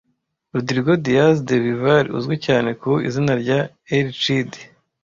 Rodrigo Diaz de Vivar uzwi cyane ku izina rya El Cid